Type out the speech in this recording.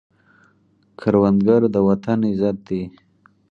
کروندګر د وطن عزت دی